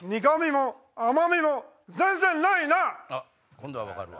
今度は分かるわ。